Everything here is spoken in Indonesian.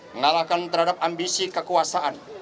mengalahkan terhadap ambisi kekuasaan